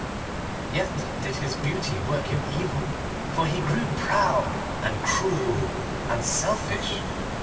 Yet did his beauty work him evil. For he grew proud, and cruel, and selfish.